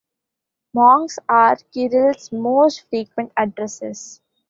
Monks are Kirill's most frequent addressees.